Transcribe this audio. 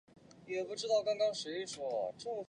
光果细苞虫实为藜科虫实属下的一个变种。